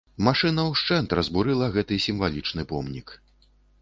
Машына ўшчэнт разбурыла гэты сімвалічны помнік.